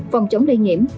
phòng chống lây nhiễm